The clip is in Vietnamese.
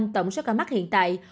chín mươi chín tổng số ca mắc hiện tại